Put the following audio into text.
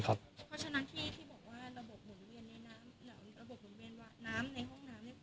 ครับเพราะฉะนั้นที่ที่บอกว่าระบบหมุนเวียนในน้ำระบบ